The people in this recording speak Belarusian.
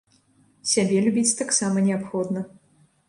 Сябе любіць таксама неабходна.